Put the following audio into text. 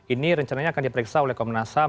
ini rencananya akan diperiksa oleh komnas ham